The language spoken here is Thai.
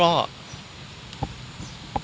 หลอดอะไรอย่างนี้ครับหลอดหรอครับ